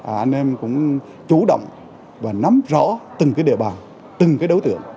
anh em cũng chủ động và nắm rõ từng địa bàn từng đối tượng